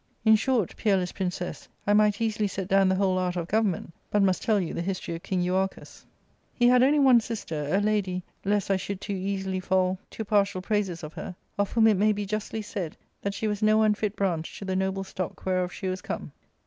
In short, peerless princess, I might easily set down the whole art of government, but must tell you the history of King Euarchus. /" He had only one sister, alady— lejst I should too easily fall L 2 / 148 ARCADIA.^Book II. to partial praises of her — of whom it may be justly said, that she was no unfit branch to the noble stock whereof she was come.